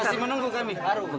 masih menunggu kami